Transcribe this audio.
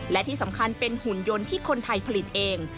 และที่สำคัญเป็นหุ่นยนต์ที่คนไทยผลิตเอง